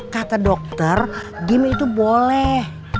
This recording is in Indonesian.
kata dokter gimming itu boleh